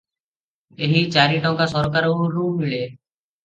ଏହି ଚାରି ଟଙ୍କା ସରକାରରୁ ମିଳେ ।